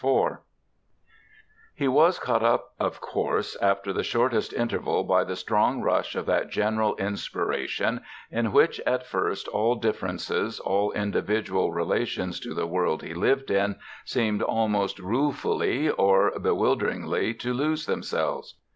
IV He was caught up of course after the shortest interval by the strong rush of that general inspiration in which at first all differences, all individual relations to the world he lived in, seemed almost ruefully or bewilderedly to lose themselves.